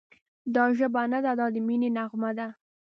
دا ژبه نه ده، دا د مینې نغمه ده»